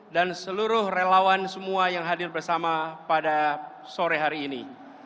dan seluruh relawan semua yang hadir bersama pada sore hari ini